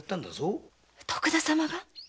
徳田様が？